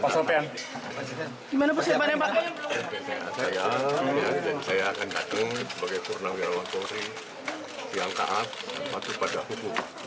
sebagai purnamirawan polri yang taat patuh pada hukum